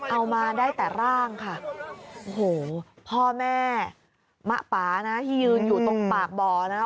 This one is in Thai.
เอามาได้แต่ร่างค่ะโอ้โหพ่อแม่มะปานะที่ยืนอยู่ตรงปากบ่อนะ